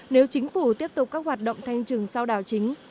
nếu chính phủ tiếp tục các hoạt động thanh trừng sau đảo chính